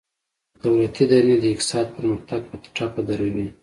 دولتي دندي د اقتصاد پرمختګ په ټپه دروي